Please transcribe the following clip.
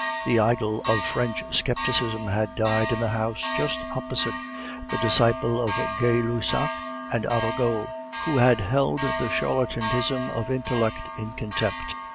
The idol of French scepticism had died in the house just opposite, the disciple of Gay Lussac and Arago, who had held the charlatanism of intellect in contempt.